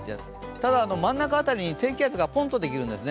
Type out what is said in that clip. ただ真ん中辺りに低気圧がポンとできるんですね。